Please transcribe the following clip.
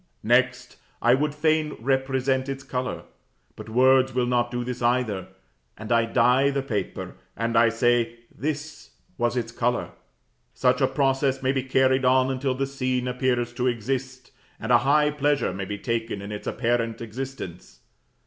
Next: I would fain represent its color; but words will not do this either, and I dye the paper, and say, "This was its color." Such a process may be carried on until the scene appears to exist, and a high pleasure may be taken in its apparent existence.